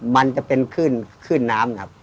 มันจะเป็นขึ้นขึ้นน้ำครับ